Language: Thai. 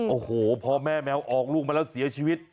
โอ้โหพอแม่แมวออกลูกมาแล้วเสียชีวิต